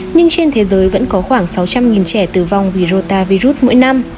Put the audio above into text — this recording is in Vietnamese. nhưng trên thế giới vẫn có khoảng sáu trăm linh trẻ tử vong vì rotavirus mỗi năm